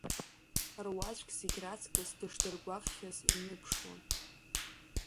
Руаӡәк зегь раҵкыс дышдыргәаҟхьаз иныԥшуан.